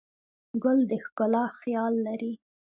ګل د ښکلا خیال لري.